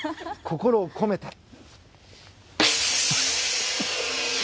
心を込めて。